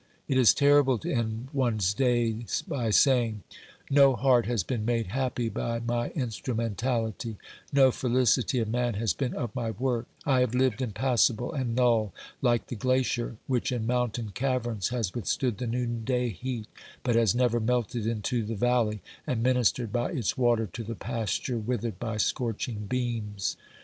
It is terrible to end one's days by saying : No heart L 1 62 OBERMANN has been made happy by my instrumentality; no feUcity of man has been of my work ; I have Uved impassible and null, like the glacier which in mountain caverns has with stood the noonday heat, but has never melted into the valley and ministered by its water to the pasture withered by scorching beams.